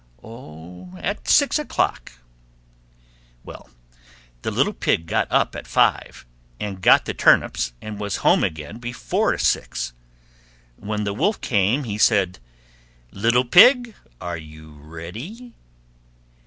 "Oh, at six o'clock." Well, the little Pig got up at five, and got the turnips and was home again before six. When the Wolf came he said, "Little Pig, are you ready?"